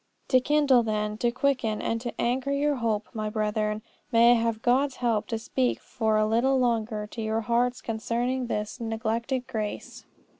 To kindle then, to quicken, and to anchor your hope, my brethren, may I have God's help to speak for a little longer to your hearts concerning this neglected grace!